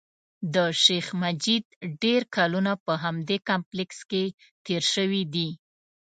د شیخ مجید ډېر کلونه په همدې کمپلېکس کې تېر شوي دي.